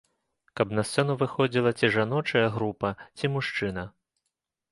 Каб на сцэну выходзіла ці жаночая група, ці мужчына.